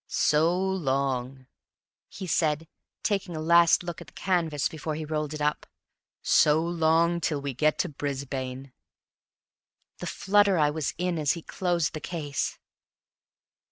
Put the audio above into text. "So long," he said, taking a last look at the canvas before he rolled it up "so long till we get to Brisbane." The flutter I was in as he closed the case!